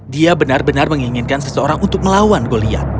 dia benar benar menginginkan seseorang untuk melawan goliat